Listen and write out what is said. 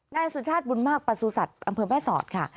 นายสุชาติบุญมากประสุทธิ์อำเภอแม่สอดค่ะ